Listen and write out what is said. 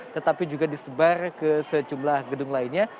tetapi juga disebar ke sejumlah gedung lainnya